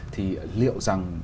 thì liệu rằng